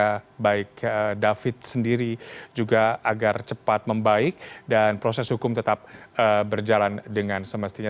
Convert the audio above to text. kepada baik david sendiri juga agar cepat membaik dan proses hukum tetap berjalan dengan semestinya